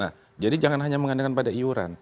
nah jadi jangan hanya mengandalkan pada iuran